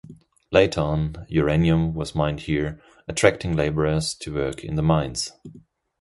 Later on uranium was mined here, attracting laborers to work in the mines.